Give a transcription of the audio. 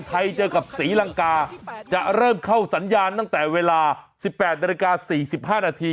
เจอกับศรีลังกาจะเริ่มเข้าสัญญาณตั้งแต่เวลา๑๘นาฬิกา๔๕นาที